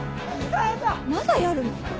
まだやるの？